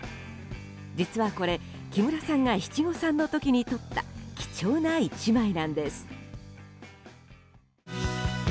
実はこれ、木村さんが七五三の時に撮った貴重な一枚なんです。